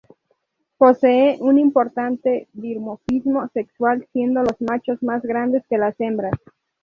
Posee un importante dimorfismo sexual, siendo los machos más grandes que las hembras.